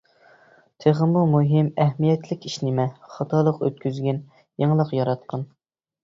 -تېخىمۇ مۇھىم، ئەھمىيەتلىك ئىش نېمە؟ -خاتالىق ئۆتكۈزگىن، يېڭىلىق ياراتقىن!